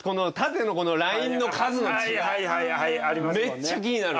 めっちゃ気になる！